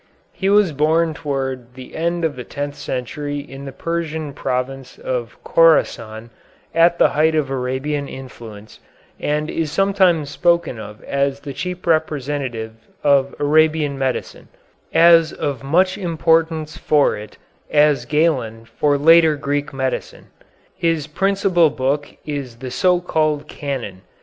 He was born toward the end of the tenth century in the Persian province of Chorasan, at the height of Arabian influence, and is sometimes spoken of as the chief representative of Arabian medicine, of as much importance for it as Galen for later Greek medicine. His principal book is the so called "Canon."